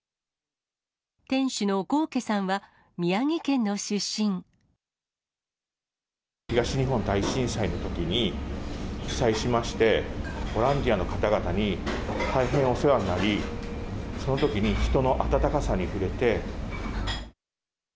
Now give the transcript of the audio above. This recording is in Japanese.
店主の郷家さんは、宮城県の東日本大震災のときに被災しまして、ボランティアの方々に、大変お世話になり、そのときに人の温かさに触れて。